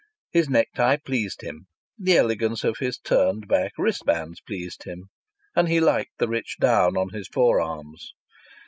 His necktie pleased him; the elegance of his turned back wristbands pleased him; and he liked the rich down on his forearms.